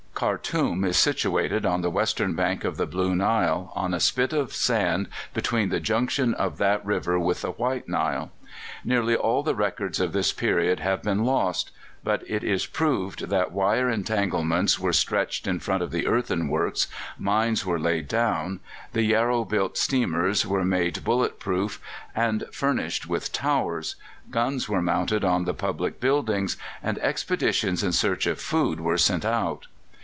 Khartoum is situated on the western bank of the Blue Nile, on a spit of sand between the junction of that river with the White Nile. Nearly all the records of this period have been lost, but it is proved that wire entanglements were stretched in front of the earthworks, mines were laid down, the Yarrow built steamers were made bullet proof and furnished with towers, guns were mounted on the public buildings, and expeditions in search of food were sent out.